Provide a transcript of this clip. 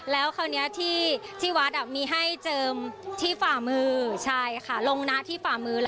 แล้วคราวนี้ที่วัดมีให้เจิมที่ฝ่ามือใช่ค่ะลงหน้าที่ฝ่ามือ